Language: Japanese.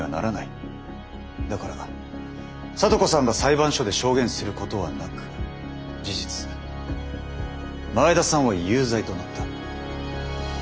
だから咲都子さんが裁判所で証言することはなく事実前田さんは有罪となった。